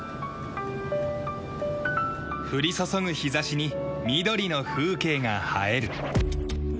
降り注ぐ日差しに緑の風景が映える。